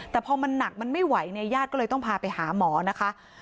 แต่พอมันหนักมันไม่ไหวเนี่ยญาติก็เลยต้องพาไปหาหมอนะคะ